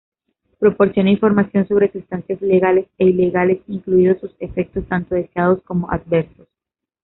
Proporciona información sobre sustancias legales e ilegales, incluidos sus efectos, tanto deseados como adversos.